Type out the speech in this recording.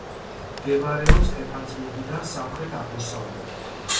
მდებარეობს სტეფანწმინდიდან სამხრეთ-აღმოსავლეთით.